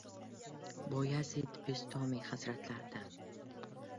Boyazid Bistomiy hazratlaridan: